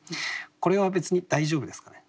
これは別に大丈夫ですかね？